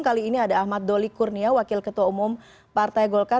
kali ini ada ahmad doli kurnia wakil ketua umum partai golkar